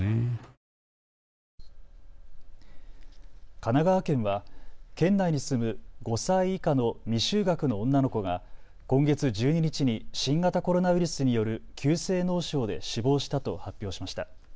神奈川県は県内に住む５歳以下の未就学の女の子が今月１２日に新型コロナウイルスによる急性脳症で死亡したと発表しました。